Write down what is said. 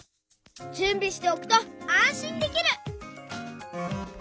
じゅんびしておくとあんしんできる！